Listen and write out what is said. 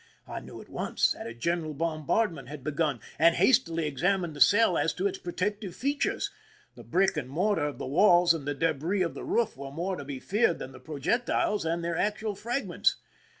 I knew at once that a general bombardment had begun, and hastily examined the cell as to its protective features. The brick and mortar of the walls and the debris of the roof were more to be feared than the projectiles and their actual fragments.